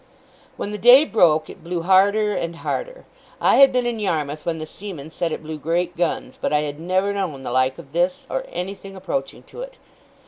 When the day broke, it blew harder and harder. I had been in Yarmouth when the seamen said it blew great guns, but I had never known the like of this, or anything approaching to it.